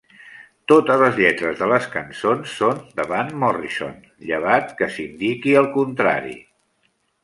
Totes les lletres de les cançons són deVan Morrison, llevat que s'indiqui el contrari.